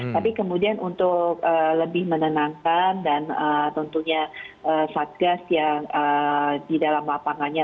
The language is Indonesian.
tapi kemudian untuk lebih menenangkan dan tentunya satgas yang di dalam lapangannya